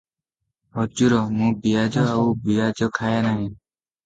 ହଜୁର ମୁଁ ପିଆଜ ଆଉ ବିଆଜ ଖାଏ ନାହିଁ ।